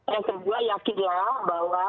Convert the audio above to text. yang kedua yakinlah bahwa